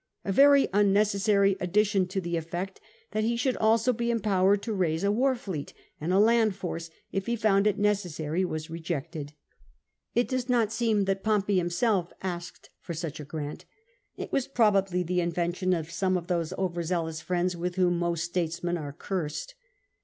A very un necessary addition, to the effect that he should also be empowered to raise a war fleet and a land force, if he found it necessary, was rejected. It does not seem that Pompey himself asked for such a grant. It was probably the invention of some of those over zealous friends with whom most statesmen are cursed.